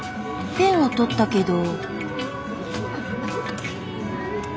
ペンを取ったけど。